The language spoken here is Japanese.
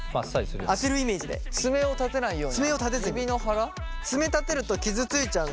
爪を立てないように？